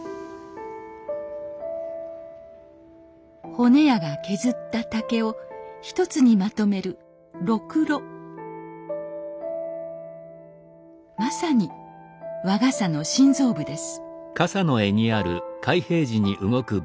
骨屋が削った竹を一つにまとめるまさに和傘の心臓部です